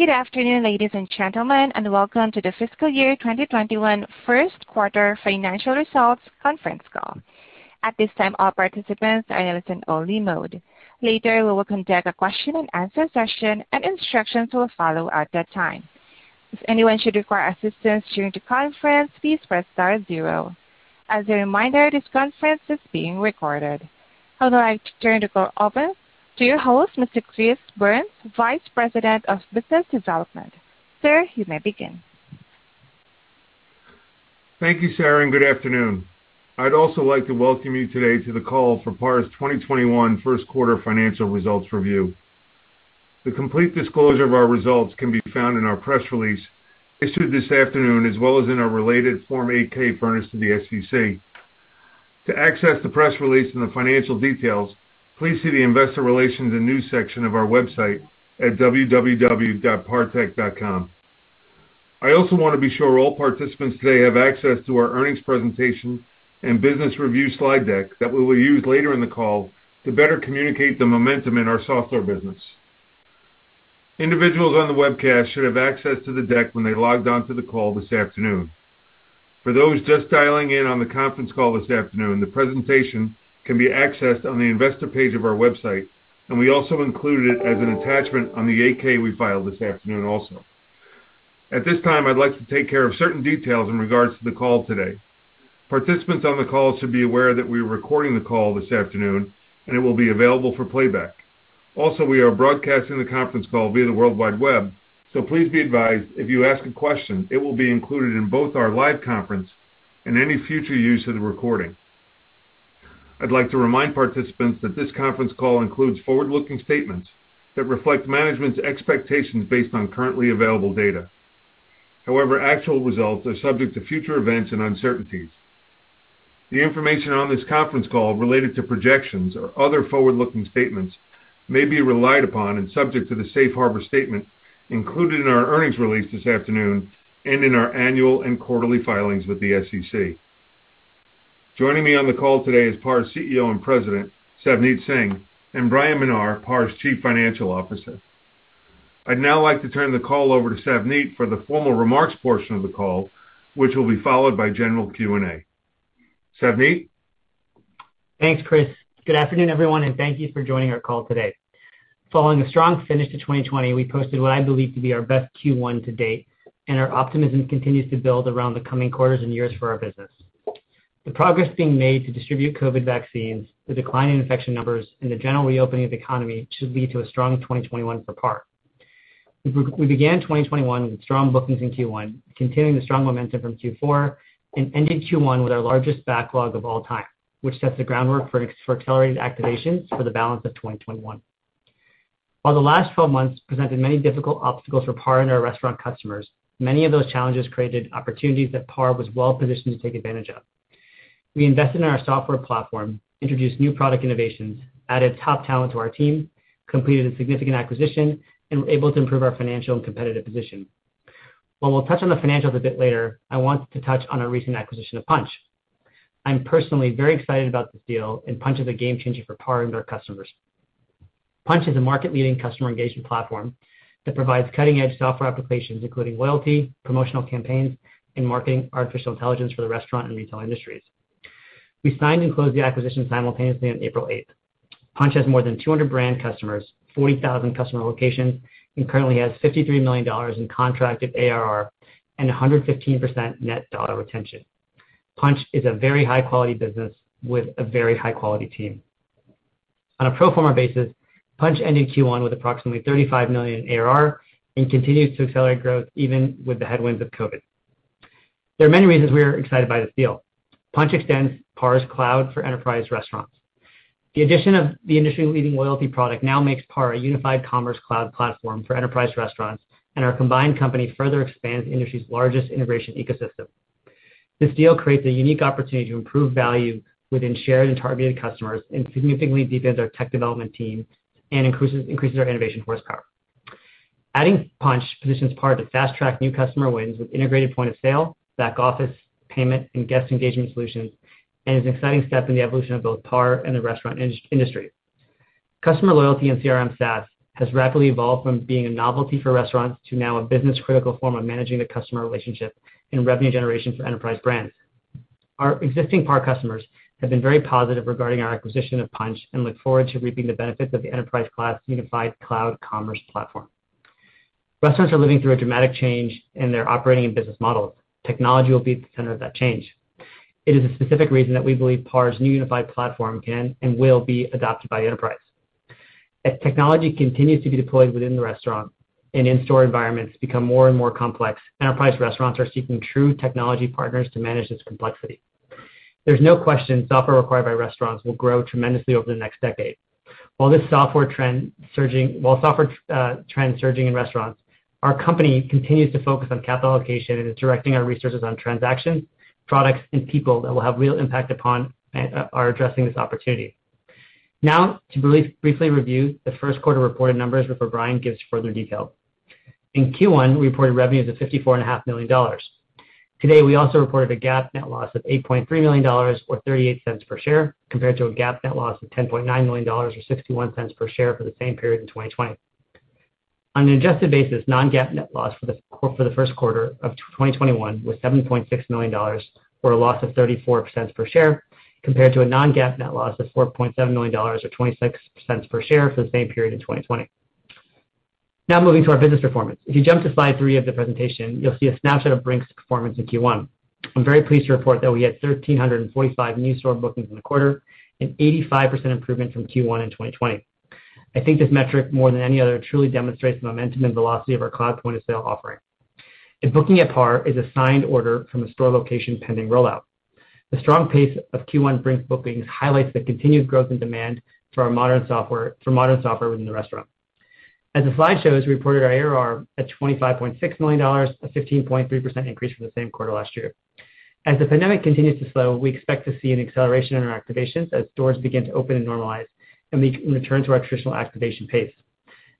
Good afternoon, ladies and gentlemen, and welcome to the fiscal year 2021 first quarter financial results conference call. At this time all participants are in a listen-only mode. Later we will conduct a question-and-answer session and instructions will follow at that time. If any one should require assistance during the conference please press star zero. As a reminder this conference is being recorded. I would like to turn the call over to your host, Mr. Chris Byrnes, Vice President of Business Development. Sir, you may begin. Thank you, Sarah. Good afternoon. I'd also like to welcome you today to the call for PAR's 2021 first quarter financial results review. The complete disclosure of our results can be found in our press release issued this afternoon, as well as in our related Form 8-K furnished to the SEC. To access the press release and the financial details, please see the Investor Relations and News section of our website at www.partech.com. I also want to be sure all participants today have access to our earnings presentation and business review slide deck that we will use later in the call to better communicate the momentum in our software business. Individuals on the webcast should have access to the deck when they logged on to the call this afternoon. For those just dialing in on the conference call this afternoon, the presentation can be accessed on the Investor page of our website, and we also included it as an attachment on the 8-K we filed this afternoon also. At this time, I'd like to take care of certain details in regards to the call today. Participants on the call should be aware that we are recording the call this afternoon, and it will be available for playback. Also, we are broadcasting the conference call via the worldwide web, so please be advised if you ask a question, it will be included in both our live conference and any future use of the recording. I'd like to remind participants that this conference call includes forward-looking statements that reflect management's expectations based on currently available data. However, actual results are subject to future events and uncertainties. The information on this conference call related to projections or other forward-looking statements may be relied upon and subject to the Safe Harbor statement included in our earnings release this afternoon and in our annual and quarterly filings with the SEC. Joining me on the call today is PAR's CEO and President, Savneet Singh, and Bryan Menar, PAR's Chief Financial Officer. I'd now like to turn the call over to Savneet for the formal remarks portion of the call, which will be followed by general Q&A. Savneet? Thanks, Chris. Good afternoon, everyone, and thank you for joining our call today. Following a strong finish to 2020, we posted what I believe to be our best Q1 to date, and our optimism continues to build around the coming quarters and years for our business. The progress being made to distribute COVID vaccines, the decline in infection numbers, and the general reopening of the economy should lead to a strong 2021 for PAR. We began 2021 with strong bookings in Q1, continuing the strong momentum from Q4, and ended Q1 with our largest backlog of all time, which sets the groundwork for accelerated activations for the balance of 2021. While the last 12 months presented many difficult obstacles for PAR and our restaurant customers, many of those challenges created opportunities that PAR was well-positioned to take advantage of. We invested in our software platform, introduced new product innovations, added top talent to our team, completed a significant acquisition, and were able to improve our financial and competitive position. While we'll touch on the financials a bit later, I want to touch on our recent acquisition of Punchh. I'm personally very excited about this deal. Punchh is a game changer for PAR and our customers. Punchh is a market-leading customer engagement platform that provides cutting-edge software applications, including loyalty, promotional campaigns, and marketing artificial intelligence for the restaurant and retail industries. We signed and closed the acquisition simultaneously on April 8. Punchh has more than 200 brand customers, 40,000 customer locations, and currently has $53 million in contracted ARR and 115% net dollar retention. Punchh is a very high-quality business with a very high-quality team. On a pro forma basis, Punchh ended Q1 with approximately $35 million in ARR and continues to accelerate growth even with the headwinds of COVID. There are many reasons we are excited by this deal. Punchh extends PAR's cloud for enterprise restaurants. The addition of the industry-leading loyalty product now makes PAR a unified commerce cloud platform for enterprise restaurants, and our combined company further expands the industry's largest integration ecosystem. This deal creates a unique opportunity to improve value within shared and targeted customers and significantly deepens our tech development team and increases our innovation horsepower. Adding Punchh positions PAR to fast-track new customer wins with integrated point-of-sale, back office, payment, and guest engagement solutions, and is an exciting step in the evolution of both PAR and the restaurant industry. Customer loyalty and CRM SaaS has rapidly evolved from being a novelty for restaurants to now a business-critical form of managing the customer relationship and revenue generation for enterprise brands. Our existing PAR customers have been very positive regarding our acquisition of Punchh and look forward to reaping the benefits of the enterprise class unified cloud commerce platform. Restaurants are living through a dramatic change in their operating and business models. Technology will be at the center of that change. It is a specific reason that we believe PAR's new unified platform can and will be adopted by enterprise. As technology continues to be deployed within the restaurant and in-store environments become more and more complex, enterprise restaurants are seeking true technology partners to manage this complexity. There's no question software required by restaurants will grow tremendously over the next decade. While software trends surging in restaurants, our company continues to focus on capital allocation and is directing our resources on transactions, products, and people that will have real impact upon our addressing this opportunity. Now to briefly review the first quarter reported numbers before Bryan gives further detail. In Q1, we reported revenue of $54.5 million. Today, we also reported a GAAP net loss of $8.3 million, or $0.38 per share, compared to a GAAP net loss of $10.9 million or $0.61 per share for the same period in 2020. On an adjusted basis, non-GAAP net loss for the first quarter of 2021 was $7.6 million, or a loss of $0.34 per share, compared to a non-GAAP net loss of $4.7 million or $0.26 per share for the same period in 2020. Now moving to our business performance. If you jump to slide three of the presentation, you'll see a snapshot of Brink's performance in Q1. I am very pleased to report that we had 1,345 new store bookings in the quarter, an 85% improvement from Q1 in 2020. I think this metric, more than any other, truly demonstrates the momentum and velocity of our cloud point-of-sale offering. A booking at PAR is a signed order from a store location pending rollout. The strong pace of Q1 Brink bookings highlights the continued growth and demand for modern software within the restaurant. As the slide shows, we reported our ARR at $25.6 million, a 15.3% increase from the same quarter last year. As the pandemic continues to slow, we expect to see an acceleration in our activations as stores begin to open and normalize, and we can return to our traditional activation pace.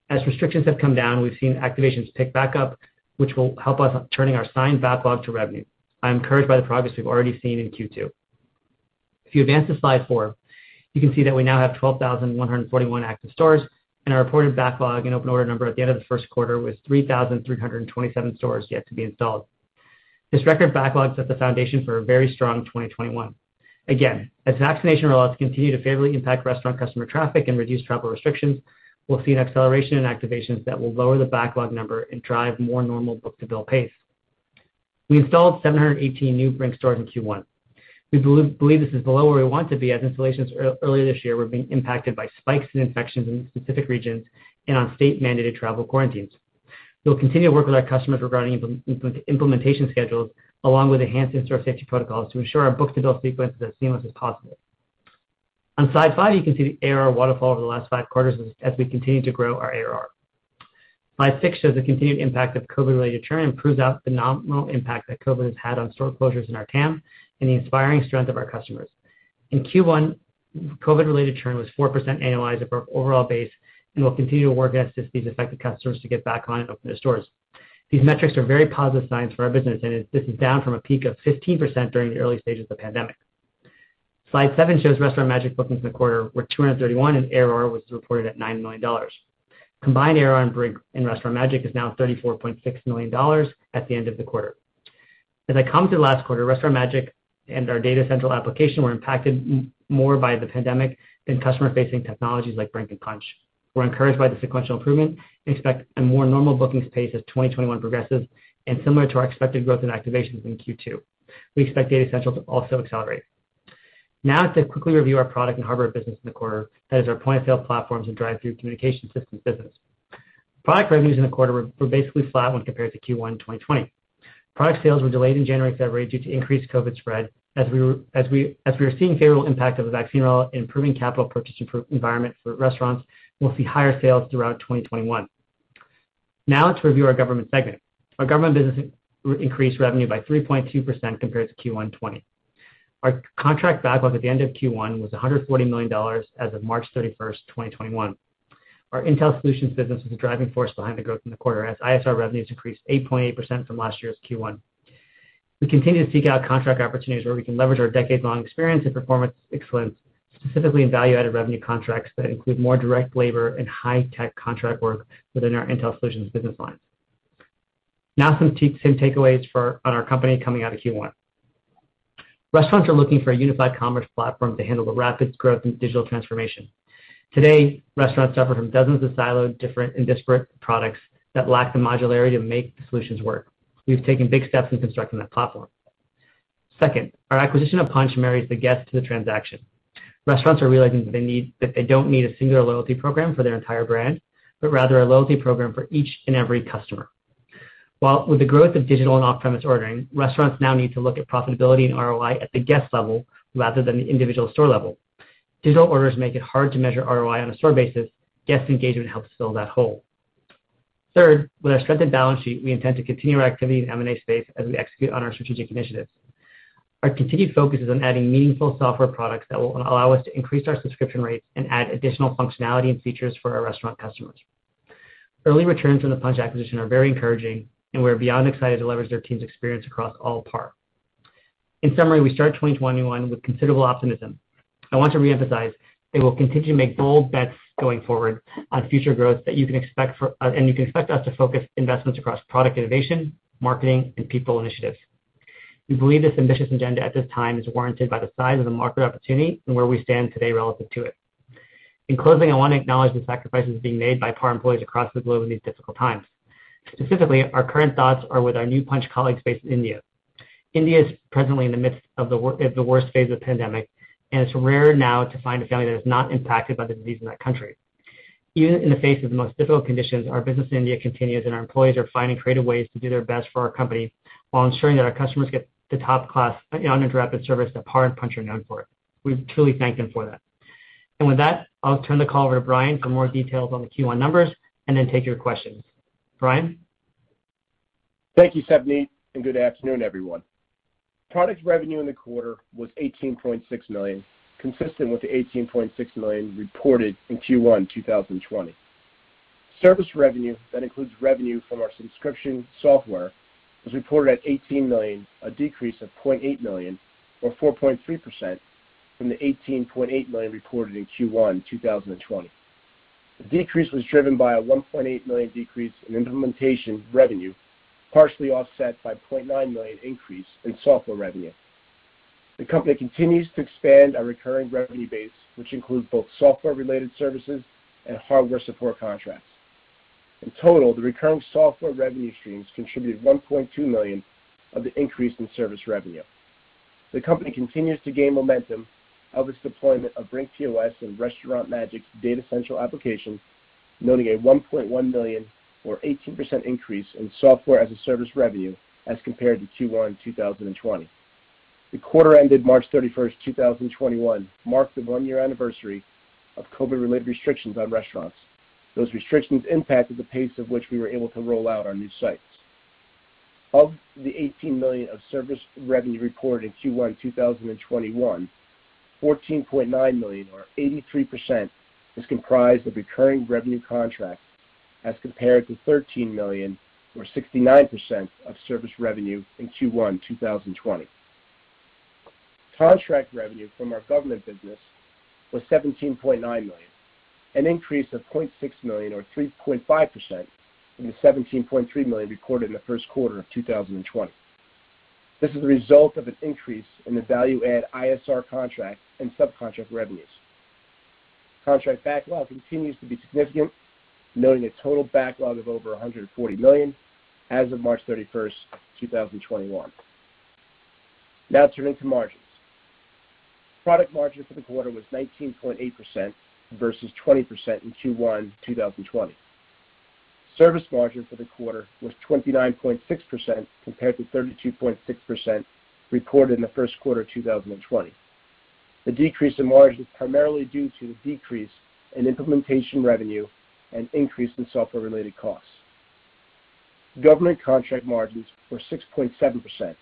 As restrictions have come down, we've seen activations pick back up, which will help us turning our signed backlog to revenue. I am encouraged by the progress we've already seen in Q2. If you advance to slide four, you can see that we now have 12,141 active stores, and our reported backlog and open order number at the end of the first quarter was 3,327 stores yet to be installed. This record backlog sets the foundation for a very strong 2021. Again, as vaccination rollouts continue to favorably impact restaurant customer traffic and reduce travel restrictions, we'll see an acceleration in activations that will lower the backlog number and drive more normal book-to-bill pace. We installed 718 new Brink stores in Q1. We believe this is below where we want to be, as installations earlier this year were being impacted by spikes in infections in specific regions and on state-mandated travel quarantines. We will continue to work with our customers regarding implementation schedules, along with enhanced in-store safety protocols, to ensure our book-to-bill sequence is as seamless as possible. On slide five, you can see the ARR waterfall over the last five quarters as we continue to grow our ARR. Slide six shows the continued impact of COVID-related churn and proves the nominal impact that COVID has had on store closures in our TAM and the inspiring strength of our customers. In Q1, COVID-related churn was 4% annualized of our overall base, and we'll continue to work with these affected customers to get back on and open their stores. These metrics are very positive signs for our business, and this is down from a peak of 15% during the early stages of the pandemic. Slide seven shows Restaurant Magic bookings in the quarter were 231, and ARR was reported at $9 million. Combined ARR in Brink and Restaurant Magic is now $34.6 million at the end of the quarter. As I come to the last quarter, Restaurant Magic and our Data Central application were impacted more by the pandemic than customer-facing technologies like Brink and Punchh. We're encouraged by the sequential improvement and expect a more normal bookings pace as 2021 progresses and similar to our expected growth in activations in Q2. We expect Data Central to also accelerate. Now to quickly review our product and hardware business in the quarter. That is our point-of-sale platforms and drive-thru communication systems business. Product revenues in the quarter were basically flat when compared to Q1 2020. Product sales were delayed in January, February due to increased COVID spread. As we are seeing favorable impact of the vaccine rollout improving capital purchasing environment for restaurants, we'll see higher sales throughout 2021. Let's review our government segment. Our Government business increased revenue by 3.2% compared to Q1 2020. Our contract backlog at the end of Q1 was $140 million as of March 31st, 2021. Our Intel Solutions business was the driving force behind the growth in the quarter, as ISR revenues increased 8.8% from last year's Q1. We continue to seek out contract opportunities where we can leverage our decades-long experience and performance excellence, specifically in value-added revenue contracts that include more direct labor and high-tech contract work within our Intel Solutions business line. Some key takeaways for on our company coming out of Q1. Restaurants are looking for a unified commerce platform to handle the rapid growth in digital transformation. Today, restaurants suffer from dozens of siloed, different, and disparate products that lack the modularity to make the solutions work. We've taken big steps in constructing that platform. Second, our acquisition of Punchh marries the guest to the transaction. Restaurants are realizing that they don't need a singular loyalty program for their entire brand, but rather a loyalty program for each and every customer. With the growth of digital and off-premise ordering, restaurants now need to look at profitability and ROI at the guest level rather than the individual store level. Digital orders make it hard to measure ROI on a store basis. Guest engagement helps fill that hole. Third, with our strengthened balance sheet, we intend to continue our activity in the M&A space as we execute on our strategic initiatives. Our continued focus is on adding meaningful software products that will allow us to increase our subscription rates and add additional functionality and features for our restaurant customers. Early returns on the Punchh acquisition are very encouraging, and we are beyond excited to leverage their team's experience across all PAR. In summary, we start 2021 with considerable optimism. I want to reemphasize that we'll continue to make bold bets going forward on future growth, and you can expect us to focus investments across product innovation, marketing, and people initiatives. We believe this ambitious agenda at this time is warranted by the size of the market opportunity and where we stand today relative to it. In closing, I want to acknowledge the sacrifices being made by PAR employees across the globe in these difficult times. Specifically, our current thoughts are with our new Punchh colleagues based in India. India is presently in the midst of the worst phase of the pandemic, and it's rare now to find a family that is not impacted by the disease in that country. Even in the face of the most difficult conditions, our business in India continues, and our employees are finding creative ways to do their best for our company while ensuring that our customers get the top-class, uninterrupted service that PAR and Punchh are known for. We truly thank them for that. With that, I'll turn the call over to Bryan for more details on the Q1 numbers and then take your questions. Bryan? Thank you, Savneet, good afternoon, everyone. Products revenue in the quarter was $18.6 million, consistent with the $18.6 million reported in Q1 2020. Service revenue that includes revenue from our subscription software was reported at $18 million, a decrease of $0.8 million or 4.3% from the $18.8 million reported in Q1 2020. The decrease was driven by a $1.8 million decrease in implementation revenue, partially offset by a $0.9 million increase in software revenue. The company continues to expand our recurring revenue base, which includes both software-related services and hardware support contracts. In total, the recurring software revenue streams contributed $1.2 million of the increase in service revenue. The company continues to gain momentum of its deployment of Brink POS and Restaurant Magic's Data Central application, noting a $1.1 million or 18% increase in Software-as-a-Service revenue as compared to Q1 2020. The quarter ended March 31st, 2021, marked the one-year anniversary of COVID-related restrictions on restaurants. Those restrictions impacted the pace of which we were able to roll out our new sites. Of the $18 million of service revenue reported in Q1 2021, $14.9 million or 83% is comprised of recurring revenue contracts as compared to $13 million or 69% of service revenue in Q1 2020. Contract revenue from our Government business was $17.9 million, an increase of $0.6 million or 3.5% from the $17.3 million recorded in the first quarter of 2020. This is a result of an increase in the value add ISR contract and subcontract revenues. Contract backlog continues to be significant, noting a total backlog of over $140 million as of March 31st, 2021. Now turning to margins. Product margin for the quarter was 19.8% versus 20% in Q1 2020. Service margin for the quarter was 29.6% compared to 32.6% reported in the first quarter of 2020. The decrease in margin is primarily due to the decrease in implementation revenue and increase in software-related costs. Government contract margins were 6.7%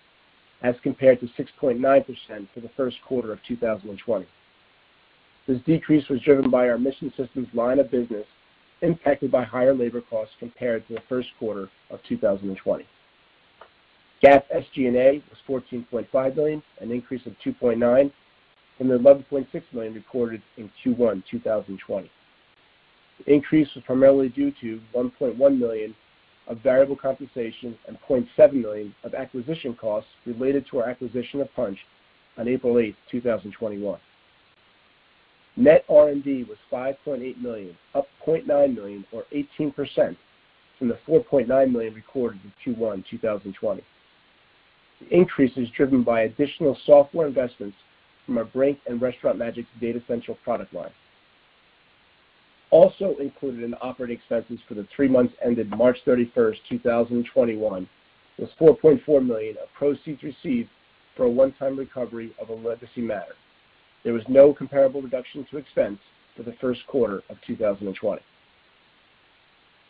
as compared to 6.9% for the first quarter of 2020. This decrease was driven by our mission systems line of business impacted by higher labor costs compared to the first quarter of 2020. GAAP SG&A was $14.5 million, an increase of $2.9 million from the $11.6 million recorded in Q1 2020. The increase was primarily due to $1.1 million of variable compensation and $0.7 million of acquisition costs related to our acquisition of Punchh on April 8, 2021. Net R&D was $5.8 million, up $0.9 million or 18% from the $4.9 million recorded in Q1 2020. The increase is driven by additional software investments from our Brink and Restaurant Magic Data Central product line. Also included in operating expenses for the three months ended March 31st, 2021, was $4.4 million of proceeds received for a one-time recovery of a legacy matter. There was no comparable reduction to expense for the first quarter of 2020.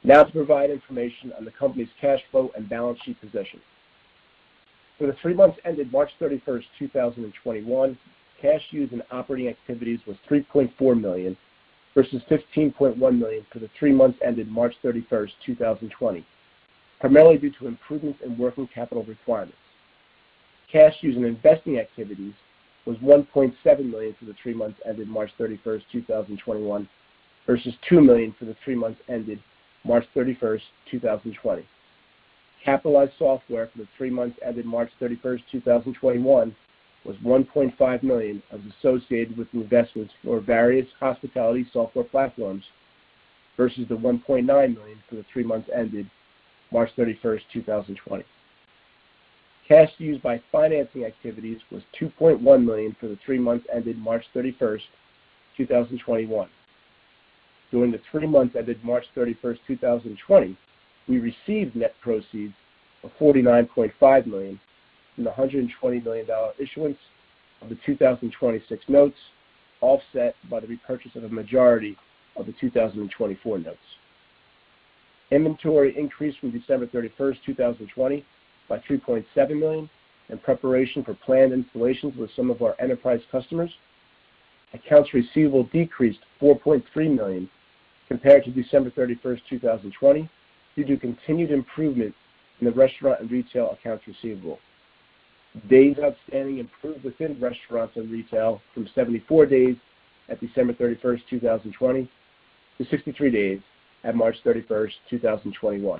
Now to provide information on the company's cash flow and balance sheet position. For the three months ended March 31st, 2021, cash used in operating activities was $3.4 million versus $15.1 million for the three months ended March 31st, 2020, primarily due to improvements in working capital requirements. Cash used in investing activities was $1.7 million for the three months ended March 31st, 2021, versus $2 million for the three months ended March 31st, 2020. Capitalized software for the three months ended March 31, 2021, was $1.5 million as associated with new investments for various hospitality software platforms versus the $1.9 million for the three months ended March 31st, 2020. Cash used by financing activities was $2.1 million for the three months ended March 31st, 2021. During the three months ended March 31st, 2020, we received net proceeds of $49.5 million from the $120 million issuance of the 2026 notes, offset by the repurchase of a majority of the 2024 notes. Inventory increased from December 31st, 2020 by $3.7 million in preparation for planned installations with some of our enterprise customers. Accounts receivable decreased $4.3 million compared to December 31st, 2020, due to continued improvement in the restaurant and retail accounts receivable. Days outstanding improved within restaurants and retail from 74 days at December 31st, 2020, to 63 days at March 31st, 2021.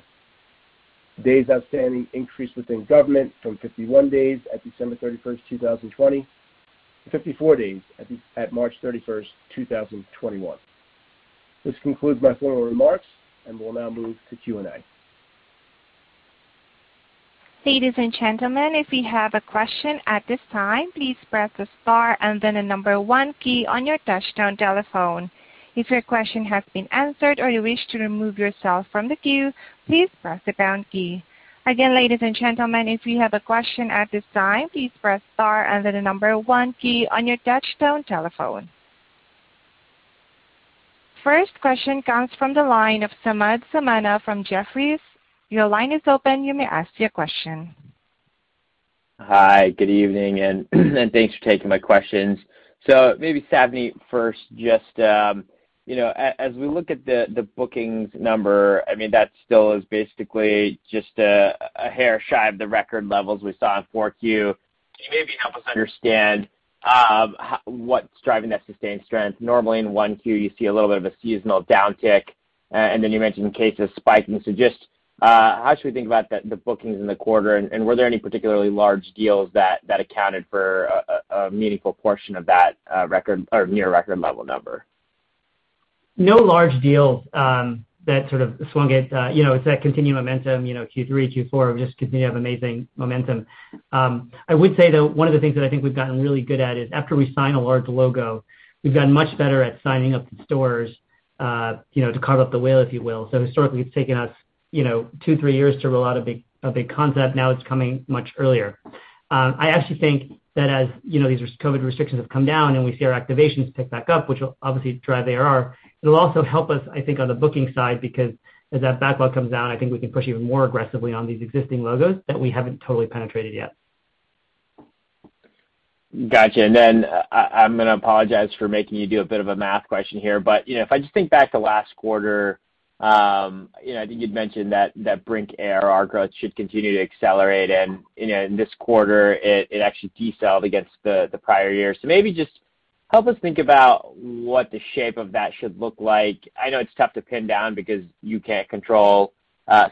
Days outstanding increased within Government from 51 days at December 31st, 2020, to 54 days at March 31st, 2021. This concludes my formal remarks, and we'll now move to Q&A. Ladies and gentlemen, if you have a question at this time, please press the star and then the number one key on your touchtone telephone. If your question has been answered or you wish to remove yourself from the queue, please press the pound key. Again, ladies and gentlemen, if you have a question at this time, please press star and then the number one key on your touch-tone telephone. First question comes from the line of Samad Samana from Jefferies. Your line is open. You may ask your question. Hi, good evening and thanks for taking my questions. Maybe Savneet first, just as we look at the bookings number, that still is basically just a hair shy of the record levels we saw in 4Q. Can you maybe help us understand what's driving that sustained strength? Normally in 1Q you see a little bit of a seasonal downtick, and then you mentioned cases spiking. Just how should we think about the bookings in the quarter, and were there any particularly large deals that accounted for a meaningful portion of that near record level number? No large deals that sort of swung it. It's that continuing momentum, Q3, Q4, we just continue to have amazing momentum. I would say, though, one of the things that I think we've gotten really good at is after we sign a large logo, we've gotten much better at signing up the stores to carve up the whale, if you will. Historically, it's taken us two, three years to roll out a big concept. Now it's coming much earlier. I actually think that as these COVID restrictions have come down and we see our activations pick back up, which will obviously drive ARR, it'll also help us, I think, on the booking side, because as that backlog comes down, I think we can push even more aggressively on these existing logos that we haven't totally penetrated yet. Got you. I'm going to apologize for making you do a bit of a math question here. If I just think back to last quarter, I think you'd mentioned that Brink ARR growth should continue to accelerate, and in this quarter, it actually decel'd against the prior year. Maybe just help us think about what the shape of that should look like. I know it's tough to pin down because you can't control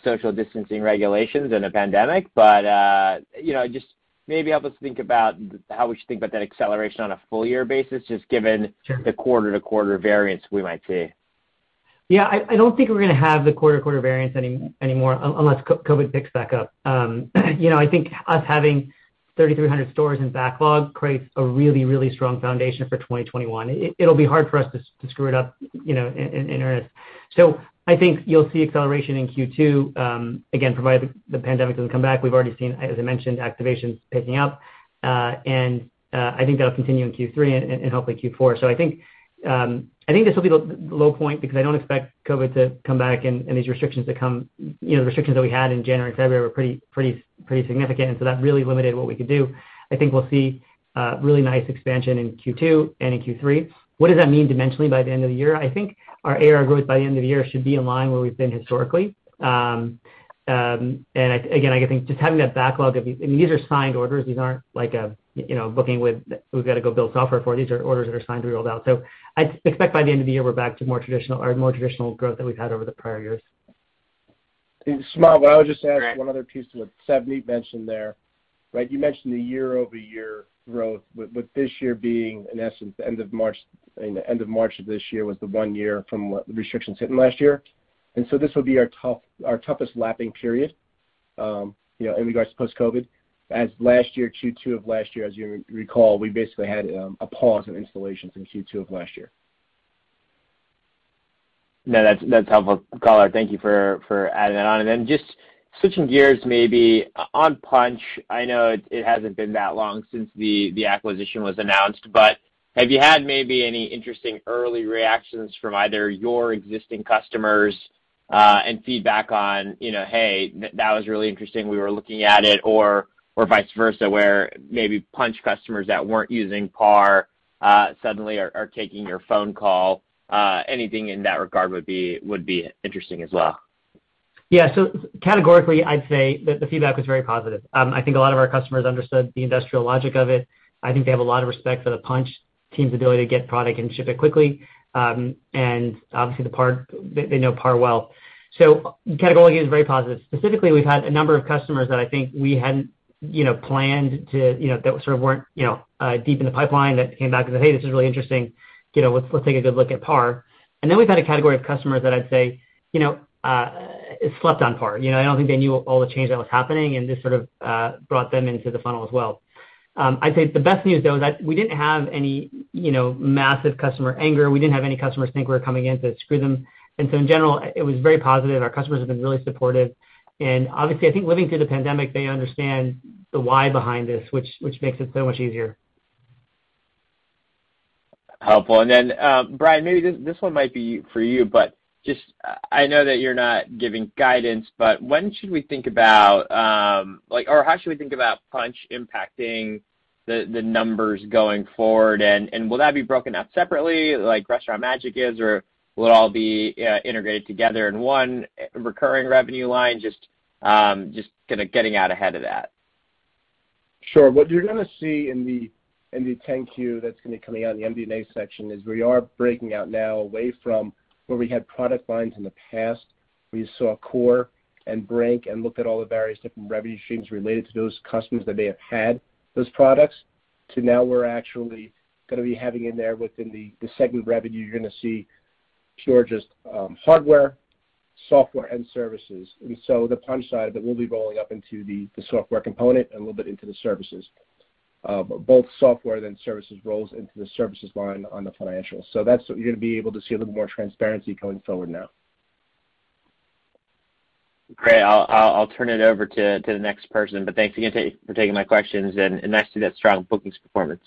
social distancing regulations in a pandemic. Just maybe help us think about how we should think about that acceleration on a full year basis, just given the quarter-to-quarter variance we might see. Yeah, I don't think we're going to have the quarter-toquarter variance anymore unless COVID picks back up. I think us having 3,300 stores in backlog creates a really, really strong foundation for 2021. It'll be hard for us to screw it up in earnest. I think you'll see acceleration in Q2, again, provided the pandemic doesn't come back. We've already seen, as I mentioned, activations picking up. I think that'll continue in Q3 and hopefully Q4. I think this will be the low point because I don't expect COVID to come back and these restrictions to come. The restrictions that we had in January, February were pretty significant. That really limited what we could do. I think we'll see a really nice expansion in Q2 and in Q3. What does that mean dimensionally by the end of the year? I think our ARR growth by the end of the year should be in line where we've been historically. Again, I think just having that backlog, and these are signed orders. These aren't like a booking with, we've got to go build software for. These are orders that are signed to be rolled out. I expect by the end of the year, we're back to more traditional growth that we've had over the prior years. Samad, I would just add one other piece to what Savneet mentioned there. You mentioned the year-over-year growth, with this year being in essence, the end of March of this year was the one year from when the restrictions hit last year. This will be our toughest lapping period, in regards to post-COVID. As last year, Q2 of last year, as you recall, we basically had a pause of installations in Q2 of last year. No, that's helpful color. Thank you for adding that on. Just switching gears maybe, on Punchh, I know it hasn't been that long since the acquisition was announced, but have you had maybe any interesting early reactions from either your existing customers, and feedback on, hey, that was really interesting. We were looking at it, or vice versa, where maybe Punchh customers that weren't using PAR suddenly are taking your phone call? Anything in that regard would be interesting as well. Categorically, I'd say the feedback was very positive. I think a lot of our customers understood the industrial logic of it. I think they have a lot of respect for the Punchh team's ability to get product and ship it quickly. Obviously, they know PAR well. Categorically, it was very positive. Specifically, we've had a number of customers that I think we hadn't planned to, that sort of weren't deep in the pipeline that came back and said, hey, this is really interesting. Let's take a good look at PAR. Then we've had a category of customers that I'd say slept on PAR. I don't think they knew all the change that was happening, and this sort of brought them into the funnel as well. I'd say the best news, though, is that we didn't have any massive customer anger. We didn't have any customers think we were coming in to screw them. In general, it was very positive. Our customers have been really supportive. Obviously, I think living through the pandemic, they understand the why behind this, which makes it so much easier. Helpful. Bryan, maybe this one might be for you, but just, I know that you're not giving guidance, but when should we think about, or how should we think about Punchh impacting the numbers going forward? Will that be broken out separately, like Restaurant Magic is, or will it all be integrated together in one recurring revenue line? Just kind of getting out ahead of that. Sure. What you're going to see in the 10-Q that's going to be coming out in the MD&A section is we are breaking out now away from where we had product lines in the past, where you saw Core and Brink and looked at all the various different revenue streams related to those customers that may have had those products. To now we're actually going to be having in there within the segment revenue, you're going to see pure just hardware, software, and services. The Punchh side of it will be rolling up into the software component and a little bit into the services. Both software and services rolls into the services line on the financials. That's what you're going to be able to see a little more transparency going forward now. Great. I'll turn it over to the next person. Thanks again for taking my questions and nice to see that strong bookings performance.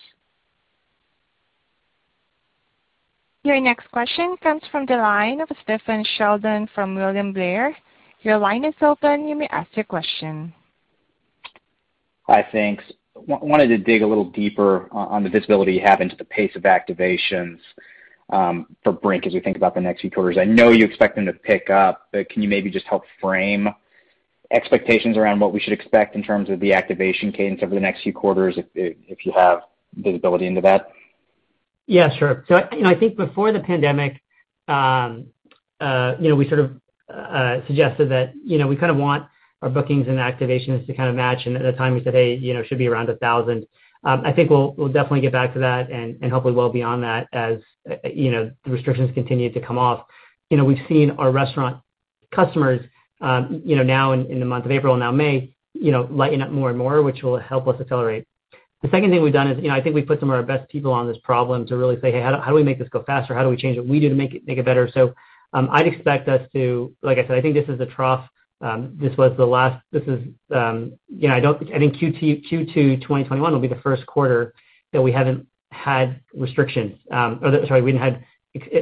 Your next question comes from the line of Stephen Sheldon from William Blair. Your line is open. You may ask your question. Hi, thanks. I wanted to dig a little deeper on the visibility you have into the pace of activations for Brink as we think about the next few quarters. I know you expect them to pick up, but can you maybe just help frame expectations around what we should expect in terms of the activation cadence over the next few quarters, if you have visibility into that? Yeah, sure. I think before the pandemic, we sort of suggested that we kind of want our bookings and activations to kind of match. At the time, we said, hey, should be around 1,000. I think we'll definitely get back to that and hopefully well beyond that as the restrictions continue to come off. We've seen our restaurant customers, now in the month of April, now May, lighten up more and more, which will help us accelerate. The second thing we've done is, I think we put some of our best people on this problem to really say, hey, how do we make this go faster? How do we change what we do to make it better? I'd expect us to, like I said, I think this is the trough. I think Q2 2021 will be the first quarter that we haven't had restrictions. Sorry, we haven't had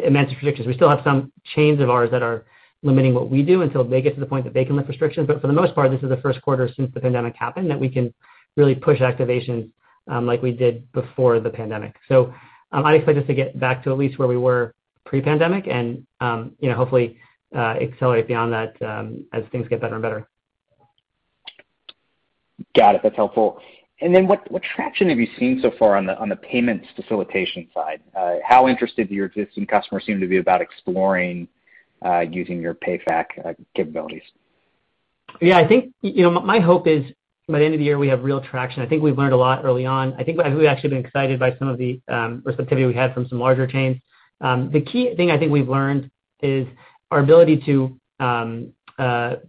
immense restrictions. We still have some chains of ours that are limiting what we do until they get to the point that they can lift restrictions. For the most part, this is the first quarter since the pandemic happened that we can really push activations like we did before the pandemic. I'd expect us to get back to at least where we were pre-pandemic and hopefully accelerate beyond that as things get better and better. Got it. That's helpful. What traction have you seen so far on the payments facilitation side? How interested do your existing customers seem to be about exploring using your PayFac capabilities? Yeah, my hope is by the end of the year, we have real traction. I think we've learned a lot early on. I think we've actually been excited by some of the receptivity we had from some larger chains. The key thing I think we've learned is our ability to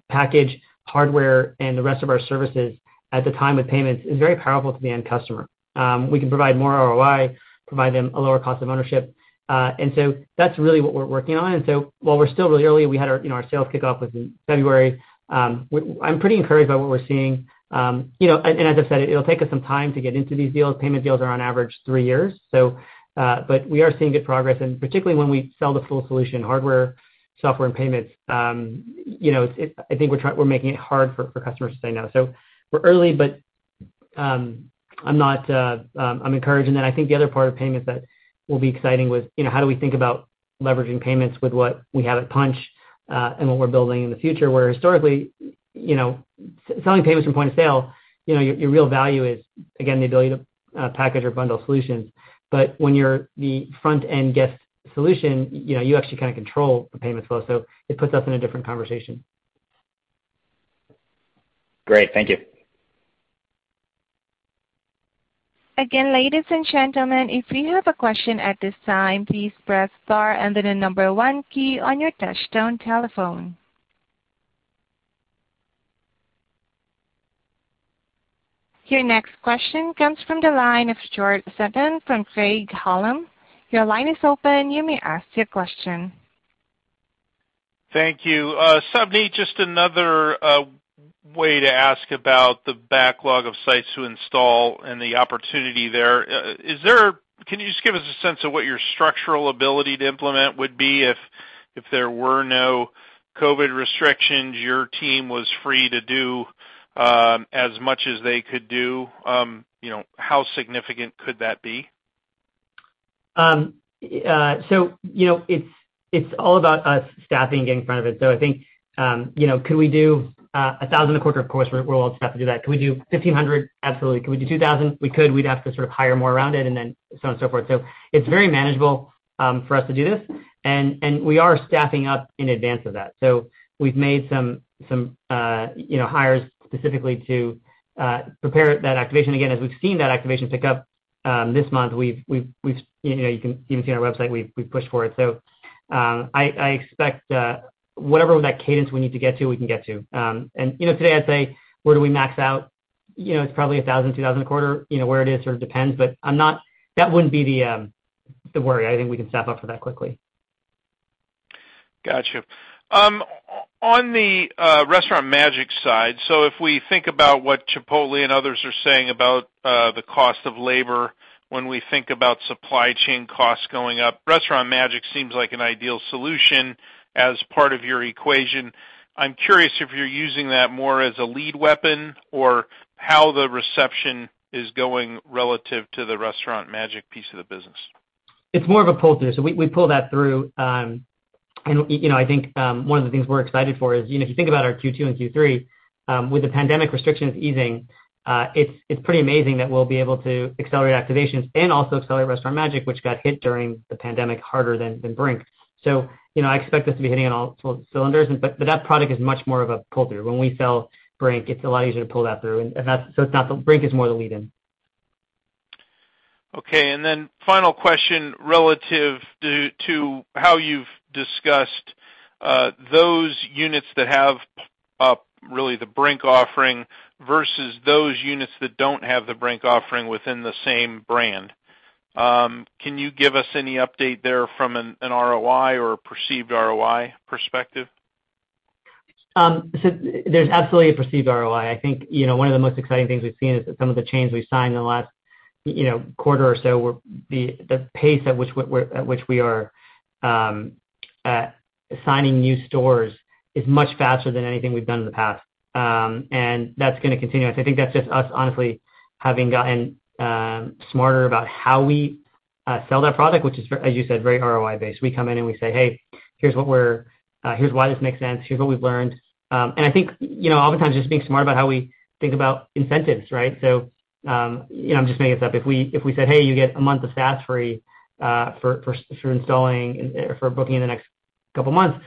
package hardware and the rest of our services at the time of payments is very powerful to the end customer. We can provide more ROI, provide them a lower cost of ownership. That's really what we're working on. While we're still really early, our sales kickoff was in February, I'm pretty encouraged by what we're seeing. As I said, it'll take us some time to get into these deals. Payment deals are on average three years. We are seeing good progress, and particularly when we sell the full solution, hardware, software, and payments, I think we're making it hard for customers to say no. We're early, but I'm encouraged. I think the other part of payments that will be exciting was, how do we think about leveraging payments with what we have at Punchh, and what we're building in the future, where historically, selling payments from point of sale, your real value is, again, the ability to package or bundle solutions. When you're the front-end guest solution, you actually control the payments flow. It puts us in a different conversation. Great, thank you. Your next question comes from the line of George Sutton from Craig-Hallum. Your line is open. You may ask your question. Thank you. Savneet, just another way to ask about the backlog of sites to install and the opportunity there. Can you just give us a sense of what your structural ability to implement would be if there were no COVID restrictions, your team was free to do as much as they could do? How significant could that be? It's all about us staffing, getting in front of it. I think, could we do 1,000 a quarter? Of course, we're well-staffed to do that. Could we do 1,500? Absolutely. Could we do 2,000? We could. We'd have to sort of hire more around it, so on and so forth. It's very manageable for us to do this, and we are staffing up in advance of that. We've made some hires specifically to prepare that activation. Again, as we've seen that activation pick up this month, you can even see on our website, we've pushed for it. I expect whatever that cadence we need to get to, we can get to. Today I'd say where do we max out? It's probably 1,000,-2,000 a quarter. Where it is sort of depends, but that wouldn't be the worry. I think we can staff up for that quickly. Got you. On the Restaurant Magic side, if we think about what Chipotle and others are saying about the cost of labor, when we think about supply chain costs going up, Restaurant Magic seems like an ideal solution as part of your equation. I am curious if you are using that more as a lead weapon, or how the reception is going relative to the Restaurant Magic piece of the business. It's more of a pull-through. We pull that through. I think one of the things we're excited for is, if you think about our Q2 and Q3, with the pandemic restrictions easing, it's pretty amazing that we'll be able to accelerate activations and also accelerate Restaurant Magic, which got hit during the pandemic harder than Brink. I expect us to be hitting on all cylinders. That product is much more of a pull-through. When we sell Brink, it's a lot easier to pull that through. Brink is more the lead-in. Okay, final question relative to how you've discussed those units that have really the Brink offering versus those units that don't have the Brink offering within the same brand. Can you give us any update there from an ROI or a perceived ROI perspective? There's absolutely a perceived ROI. I think one of the most exciting things we've seen is that some of the chains we've signed in the last quarter or so, the pace at which we are signing new stores is much faster than anything we've done in the past. That's going to continue. I think that's just us, honestly, having gotten smarter about how we sell that product, which is, as you said, very ROI based. We come in and we say, hey, here's why this makes sense. Here's what we've learned. I think, oftentimes, just being smart about how we think about incentives, right? I'm just making this up. If we said, hey, you get a month of SaaS free for booking in the next couple of months,"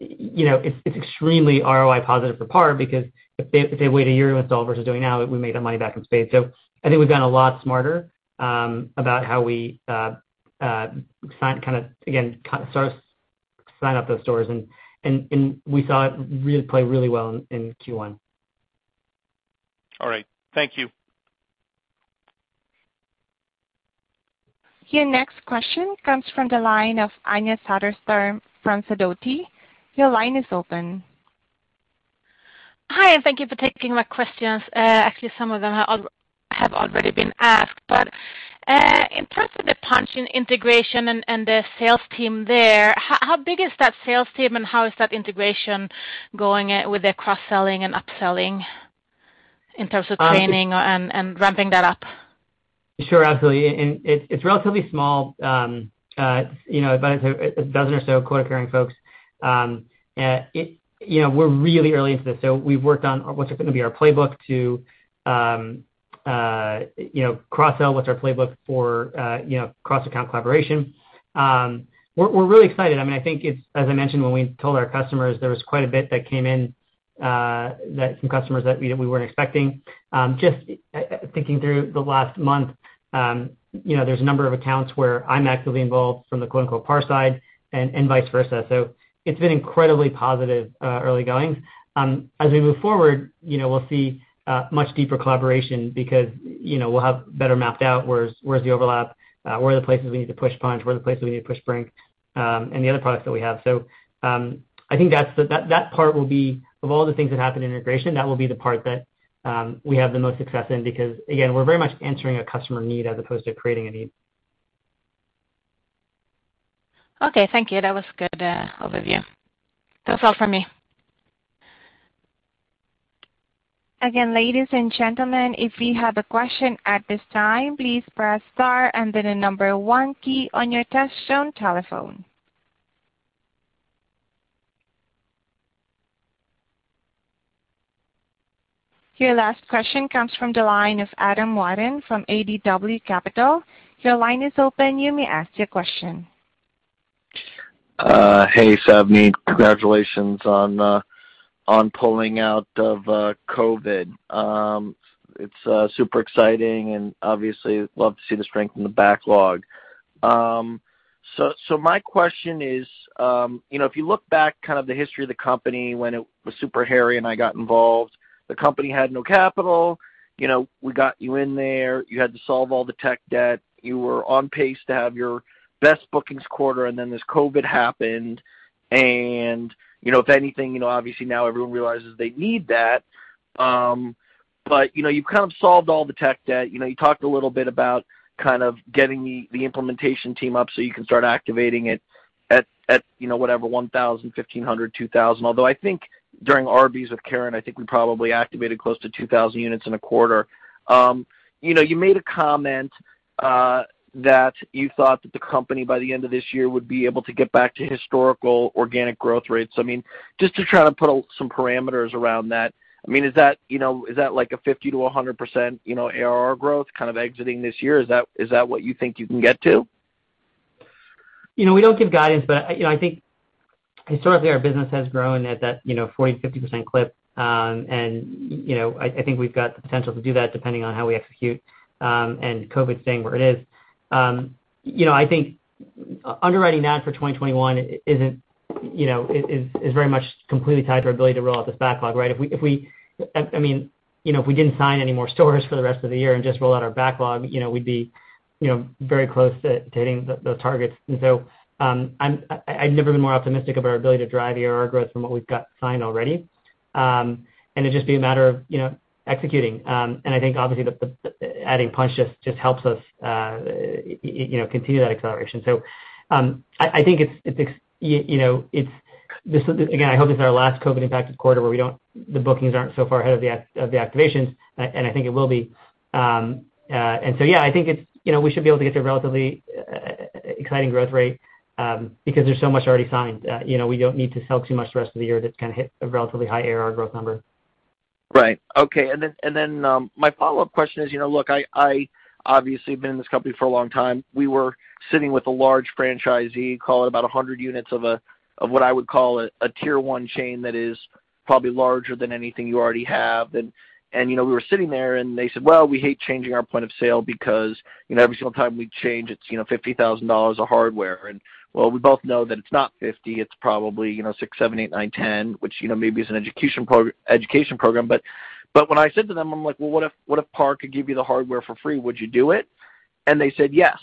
it's extremely ROI positive for PAR because if they wait a year to install versus doing it now, we made that money back in spades. I think we've gotten a lot smarter about how we, again, start to sign up those stores, and we saw it play really well in Q1. All right. Thank you. Your next question comes from the line of Anja Soderstrom from Sidoti. Your line is open. Hi, thank you for taking my questions. Actually, some of them have already been asked. In terms of the Punchh integration and the sales team there, how big is that sales team, and how is that integration going with the cross-selling and upselling in terms of training and ramping that up? Sure. Absolutely. It's relatively small. About a dozen or so quote-unquoting folks. We're really early into this. We've worked on what's going to be our playbook to cross-sell, what's our playbook for cross-account collaboration. We're really excited. I think it's, as I mentioned, when we told our customers, there was quite a bit that came in that some customers that we weren't expecting. Just thinking through the last month, there's a number of accounts where I'm actively involved from the quote-unquote PAR side and vice versa. It's been incredibly positive early going. As we move forward, we'll see much deeper collaboration because we'll have better mapped out where's the overlap, where are the places we need to push Punchh, where are the places we need to push Brink, and the other products that we have. I think that part will be, of all the things that happen in integration, that will be the part that we have the most success in, because, again, we're very much answering a customer need as opposed to creating a need. Okay, thank you. That was good overview. That's all from me. Again, ladies and gentlemen, if you have a question at this time, please press star and then the number one key on your touch-tone telephone. Your last question comes from the line of Adam Wyden from ADW Capital. Your line is open. You may ask your question. Hey, Savneet. Congratulations on pulling out of COVID. It's super exciting and obviously love to see the strength in the backlog. My question is if you look back kind of the history of the company when it was super hairy and I got involved, the company had no capital. We got you in there. You had to solve all the tech debt. You were on pace to have your best bookings quarter, and then this COVID happened. If anything, obviously now everyone realizes they need that. You've kind of solved all the tech debt. You talked a little bit about kind of getting the implementation team up so you can start activating it at whatever, 1,000, 1,500, 2,000. Although I think during Arby's with Karen, I think we probably activated close to 2,000 units in a quarter. You made a comment that you thought that the company, by the end of this year, would be able to get back to historical organic growth rates. Just to try to put some parameters around that, is that like a 50%-100% ARR growth kind of exiting this year? Is that what you think you can get to? We don't give guidance, I think historically our business has grown at that 40%-50% clip. I think we've got the potential to do that depending on how we execute, and COVID staying where it is. I think underwriting that for 2021 is very much completely tied to our ability to roll out this backlog, right? If we didn't sign any more stores for the rest of the year and just roll out our backlog, we'd be very close to hitting those targets. I've never been more optimistic of our ability to drive the ARR growth from what we've got signed already. It'd just be a matter of executing. I think obviously adding Punchh just helps us continue that acceleration. I think, again, I hope it's our last COVID impacted quarter where the bookings aren't so far ahead of the activations, and I think it will be. Yeah, I think we should be able to get to a relatively exciting growth rate, because there's so much already signed. We don't need to sell too much the rest of the year to kind of hit a relatively high ARR growth number. Right. Okay. My follow-up question is, look, I obviously have been in this company for a long time. We were sitting with a large franchisee, call it about 100 units of what I would call a Tier 1 chain that is probably larger than anything you already have. We were sitting there, and they said, well, we hate changing our point of sale because every single time we change it's $50,000 of hardware. While we both know that it's not $50,000, it's probably $6, $7, $8, $9, $10, which maybe is an education program. When I said to them, I'm like, well, what if PAR could give you the hardware for free? Would you do it?. They said, yes.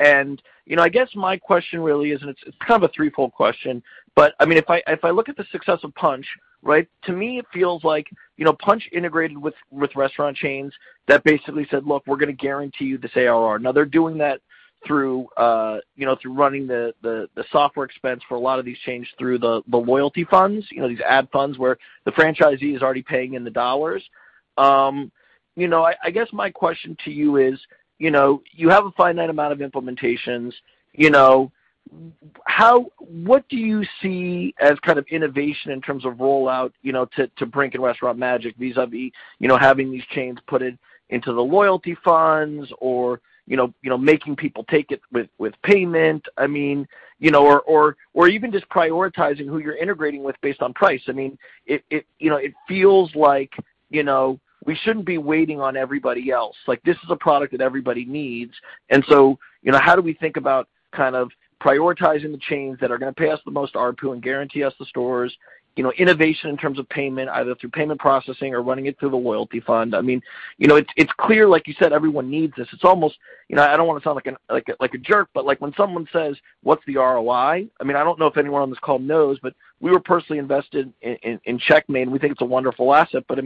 I guess my question really is, and it's kind of a threefold question, but if I look at the success of Punchh, to me it feels like Punchh integrated with restaurant chains that basically said, look, we're going to guarantee you this ARR. Now they're doing that through running the software expense for a lot of these chains through the loyalty funds, these ad funds where the franchisee is already paying in the dollars. I guess my question to you is, you have a finite amount of implementations. What do you see as kind of innovation in terms of rollout to Brink and Restaurant Magic, vis-a-vis having these chains put it into the loyalty funds or making people take it with payment? Even just prioritizing who you're integrating with based on price. It feels like we shouldn't be waiting on everybody else. This is a product that everybody needs, and so how do we think about prioritizing the chains that are going to pay us the most ARPU and guarantee us the stores? Innovation in terms of payment, either through payment processing or running it through the loyalty fund. It's clear, like you said, everyone needs this. I don't want to sound like a jerk, but when someone says, what's the ROI? I don't know if anyone on this call knows, but we were personally invested in Checkmate, and we think it's a wonderful asset, but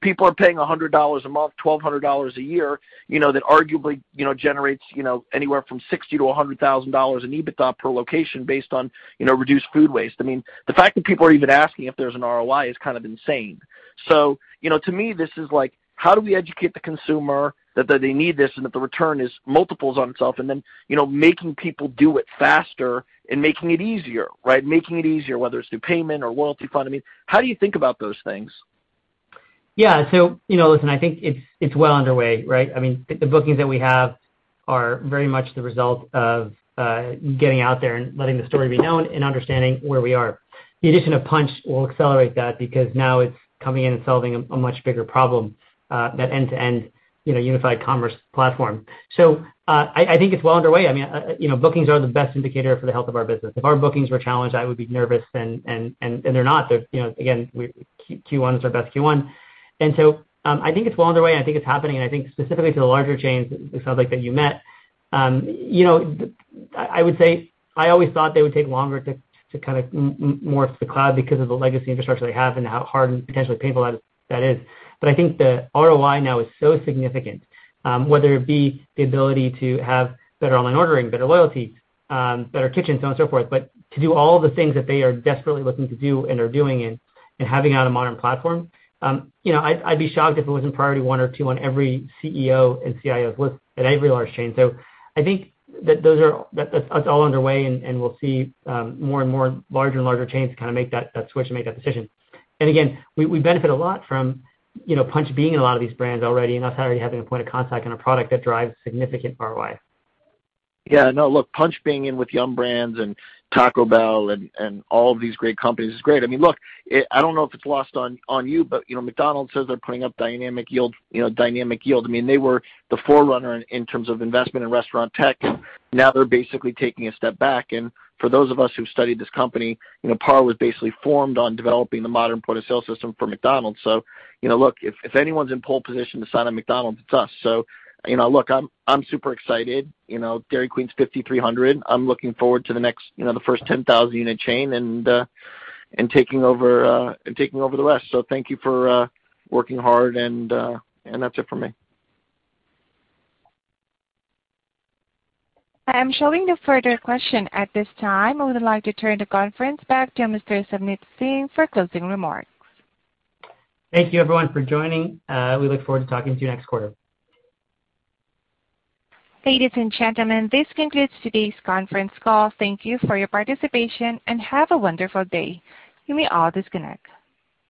people are paying $100 a month, $1,200 a year, that arguably generates anywhere from $60,000 to $100,000 in EBITDA per location based on reduced food waste. The fact that people are even asking if there's an ROI is kind of insane. To me, this is like, how do we educate the consumer that they need this and that the return is multiples on itself? Making people do it faster and making it easier. Making it easier, whether it's through payment or loyalty fund. How do you think about those things? Listen, I think it's well underway, right? The bookings that we have are very much the result of getting out there and letting the story be known and understanding where we are. The addition of Punchh will accelerate that because now it's coming in and solving a much bigger problem, that end-to-end unified commerce platform. I think it's well underway. Bookings are the best indicator for the health of our business. If our bookings were challenged, I would be nervous, and they're not. Again, Q1 is our best Q1. I think it's well underway and I think it's happening, and I think specifically to the larger chains, it sounds like that you met. I always thought they would take longer to morph to the cloud because of the legacy infrastructure they have and how hard and potentially painful that is. I think the ROI now is so significant, whether it be the ability to have better online ordering, better loyalty, better kitchens, so on and so forth. To do all the things that they are desperately looking to do and are doing and having it on a modern platform, I'd be shocked if it wasn't priority one or two on every CEO and CIO's list at every large chain. I think that that's all underway and we'll see more and more larger and larger chains make that switch and make that decision. Again, we benefit a lot from Punchh being in a lot of these brands already and us already having a point of contact and a product that drives significant ROI. Yeah. No, look, Punchh being in with Yum! Brands and Taco Bell and all of these great companies is great. Look, I don't know if it's lost on you, but McDonald's says they're putting up Dynamic Yield. They were the forerunner in terms of investment in restaurant tech, and now they're basically taking a step back. For those of us who've studied this company, PAR was basically formed on developing the modern point-of-sale system for McDonald's. Look, if anyone's in pole position to sign a McDonald's, it's us. Look, I'm super excited. Dairy Queen's 5,300. I'm looking forward to the first 10,000-unit chain and taking over the rest. Thank you for working hard, and that's it for me. I am showing no further question at this time. I would like to turn the conference back to Mr. Savneet Singh for closing remarks. Thank you everyone for joining. We look forward to talking to you next quarter. Ladies and gentlemen, this concludes today's conference call. Thank you for your participation, and have a wonderful day. You may all disconnect.